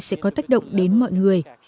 sẽ có tác động đến mọi người